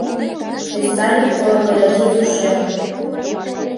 КРЕСАНЬЫК КООПЕРАТИВ УШЕМ